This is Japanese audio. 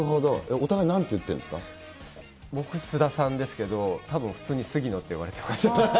お互い、僕、菅田さんですけど、たぶん普通に杉野って呼ばれてます。